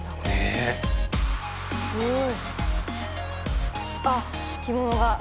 えすごい。